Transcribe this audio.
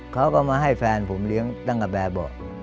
เขาก็มาให้แฟนผมเลี้ยงตั้งด้มกระแบบ